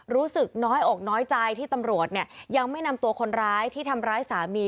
รู้สึกน้อยอกน้อยใจที่ตำรวจเนี่ยยังไม่นำตัวคนร้ายที่ทำร้ายสามี